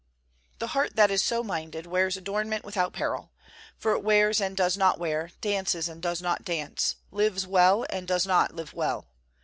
The heart that is so minded wears adornment without peril; for it wears and does not wear, dances and does not dance, lives well and does not live well.